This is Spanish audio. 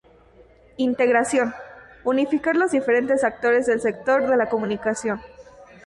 Integración: unificar los diferentes actores del sector de la comunicación.